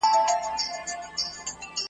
سلا نه ورڅخه غواړي چي هوښیار وي .